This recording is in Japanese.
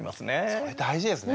それ大事ですね。